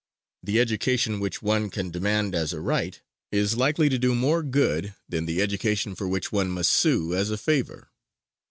The education which one can demand as a right is likely to do more good than the education for which one must sue as a favor.